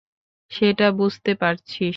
সেটা বুঝতে পারছিস?